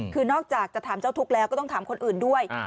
คือนอกจากจะถามเจ้าทุกข์แล้วก็ต้องถามคนอื่นด้วย